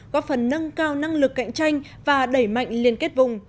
góp phần nâng cao năng lực cạnh tranh và đẩy mạnh liên kết vùng